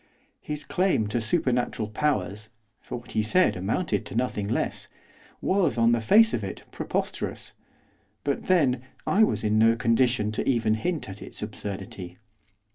His claim to supernatural powers, for what he said amounted to nothing less, was, on the face of it, preposterous, but, then, I was in no condition to even hint at its absurdity.